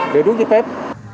để rút giấy phép